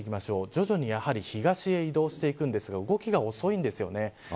徐々に東へ移動していくんですが動きが遅いです。